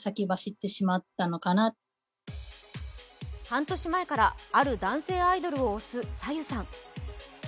半年前から、ある男性アイドルを推すさゆさん。